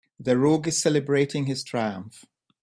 The rogue is celebrating his triumph.